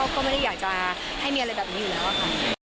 ก็ไม่ได้อยากจะให้มีอะไรแบบนี้อยู่แล้วค่ะ